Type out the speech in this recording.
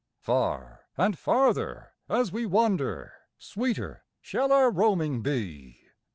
Far and farther as we wander Sweeter shall our roaming be.